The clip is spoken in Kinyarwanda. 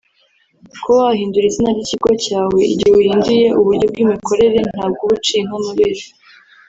Kuba wahindura izina ry’ikigo cyawe igihe uhinduye uburyo bw’imikorere ntabwo uba uciye inka amabere